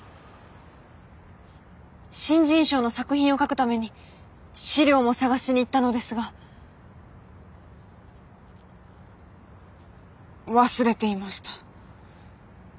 新人賞の作品を描くために資料も探しに行ったのですが忘れていました。